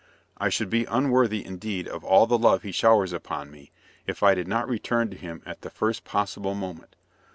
I should be unworthy indeed of all the love he showers upon me, if I did not return to him at the first possible moment.